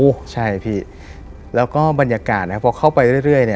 ใช่พี่แล้วก็บรรยากาศนะครับพอเข้าไปเรื่อยเนี่ย